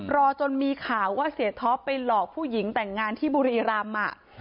รอจนมีข่าวว่าเศรษฐภไปหลอกผู้หญิงแต่งงานที่บุรีอิราม